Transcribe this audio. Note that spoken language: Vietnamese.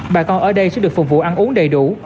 bà con ở đây sẽ được phục vụ ăn uống đầy đủ